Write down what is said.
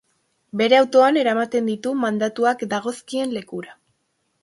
Bere autoan eramaten ditu mandatuak dagozkien lekura.